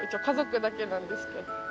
家族だけなんですけど。